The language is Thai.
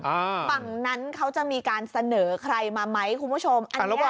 ฝั่งนั้นเขาจะมีการเสนอใครมาไหมคุณผู้ชม